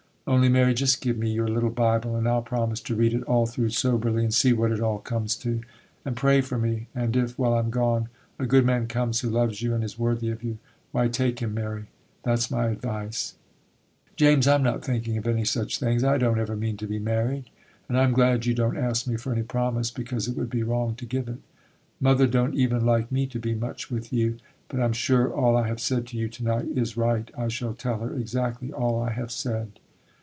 Only, Mary, just give me your little Bible, and I'll promise to read it all through soberly, and see what it all comes to. And pray for me; and if, while I'm gone, a good man comes who loves you, and is worthy of you, why take him, Mary,—that's my advice.' 'James, I'm not thinking of any such things; I don't ever mean to be married. And I'm glad you don't ask me for any promise, because it would be wrong to give it; mother don't even like me to be much with you. But I'm sure all I have said to you to day is right; I shall tell her exactly all I have said.